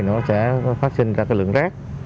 nó sẽ phát sinh ra cái lượng rác